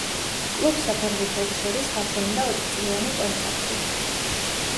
კლუბს და ფეხბურთელს შორის გაფორმდა ოთხწლიანი კონტრაქტი.